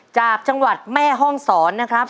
จากจังหวัดแม่ห้องศรนะครับ